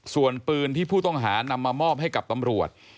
ส่วนปืนที่ผู้ต้องหานำมามอบให้กับตำรวจ